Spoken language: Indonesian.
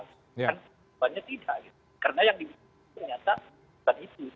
kan sebenarnya tidak karena yang dibilang itu ternyata bukan itu